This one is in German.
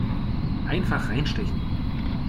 Einfach reinstechen!